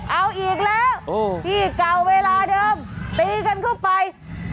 เอาอีกแล้วที่เก่าเวลาเดิมตีกันเข้าไป